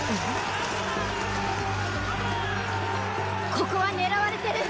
ここは狙われてる！